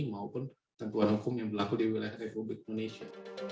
maupun tentuan hukum yang berlaku di wilayah republik indonesia